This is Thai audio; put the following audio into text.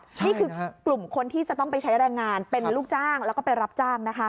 นี่คือกลุ่มคนที่จะต้องไปใช้แรงงานเป็นลูกจ้างแล้วก็ไปรับจ้างนะคะ